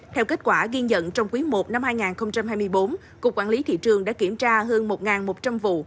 theo kết quả ghiên nhận trong quý i năm hai nghìn hai mươi bốn cục quản lý thị trường đã kiểm tra hơn một một trăm linh vụ